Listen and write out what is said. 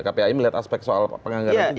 kpi melihat aspek soal penganggaran itu tidak